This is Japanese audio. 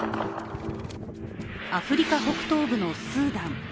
アフリカ北東部のスーダン。